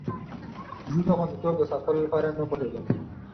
زه د خوندیتوب د ساتلو لپاره نه پوهیږم.